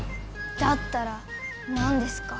だったら何ですか？